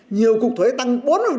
nhiều cục thuế tăng bốn ba